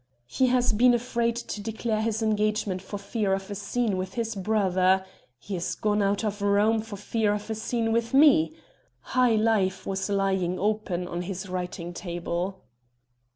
He has been afraid to declare his engagement for fear of a scene with his brother he is gone out of Rome for fear of a scene with me 'High Life' was lying open on his writing table."